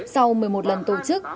sau một mươi một lần tổ chức